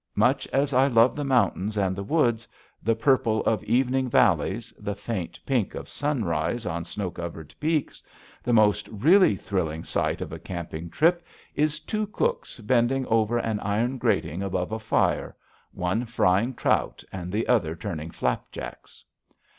Much as I love the mountains and the woods, the purple of evening valleys, the faint pink of sunrise on snow covered peaks, the most really thrilling sight of a camping trip is two cooks bending over an iron grating above a fire, one frying trout and the other turning flapjacks.